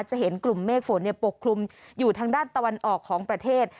จะเห็นกลุ่มเมฆฝนปกคลุมอยู่ทางด้านตะวันออกของประเทศ